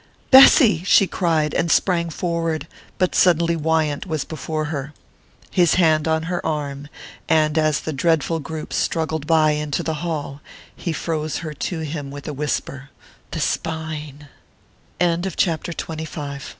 "Bessy!" she cried, and sprang forward; but suddenly Wyant was before her, his hand on her arm; and as the dreadful group struggled by into the hall, he froze her to him with a whisper: "The spine " XXVI WITHIN Justine there was a moment's darkness; then, li